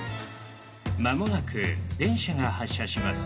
間もなく電車が発車します。